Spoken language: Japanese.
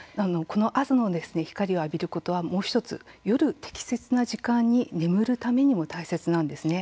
この朝の光を浴びることはもう１つ夜適切な時間に眠るためにも大切なんですね。